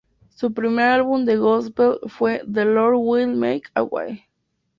Su primer álbum de gospel fue "The Lord Will Make a Way".